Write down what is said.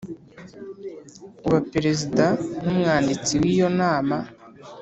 uba Perezida n umwanditsi w iyo nama